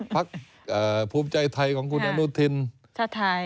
พักภูมิใจไทยของคุณอนุทินชาติไทย